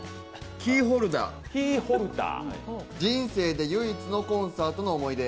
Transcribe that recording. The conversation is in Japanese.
キーホルダー、人生で唯一のコンサートの思い出。